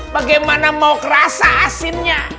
bagaimana mau kerasa asinnya